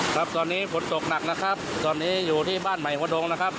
ครับตอนนี้ฝนตกหนักนะครับตอนนี้อยู่ที่บ้านใหม่หัวดงนะครับ